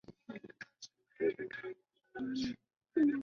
之后数年鲜有作品。